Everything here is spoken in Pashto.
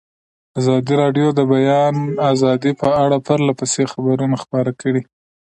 ازادي راډیو د د بیان آزادي په اړه پرله پسې خبرونه خپاره کړي.